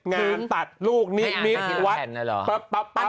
งานตัดลูกนิวัด